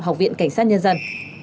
học viện cảnh sát nhân dân